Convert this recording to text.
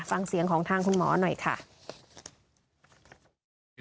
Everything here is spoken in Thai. ฟังเสียงของทางคุณหมอหน่อยค่ะ